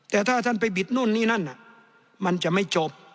แต่ถ้าท่านไปบิดนู่นนี่นั่นมันจะไม่จบ